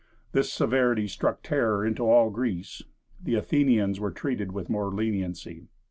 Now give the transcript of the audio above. This severity struck terror into all Greece. The Athenians were treated with more leniency.